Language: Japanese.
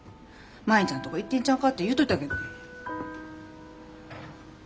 舞ちゃんとこ行ってんちゃうかて言うといたけど。